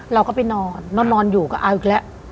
เราก็ไปนอนนอนอยู่ก็เอาอีกแล้ว